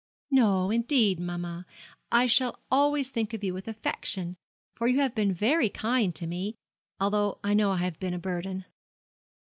'No, indeed, mamma, I shall always think of you with affection; for you have been very kind to me, although I know I have been a burden.'